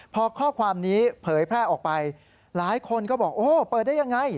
พอข้อความนี้เผยแพร่ออกไปหลายคนก็บอกโอ้เปิดได้ยังไง